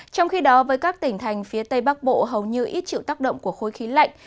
trong khi đó với các tỉnh thành phía tây bắc bộ hầu như ít chịu tác động của khối khí lạnh